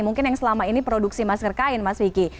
mungkin yang selama ini produksi masker kain mas vicky